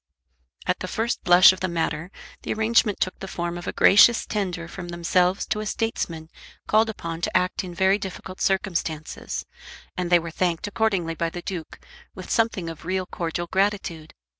At the first blush of the matter the arrangement took the form of a gracious tender from themselves to a statesman called upon to act in very difficult circumstances, and they were thanked accordingly by the Duke, with something of real cordial gratitude.